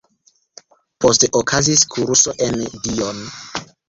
Poste okazis kurso en Dijon.